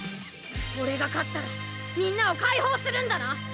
俺が勝ったらみんなを解放するんだな？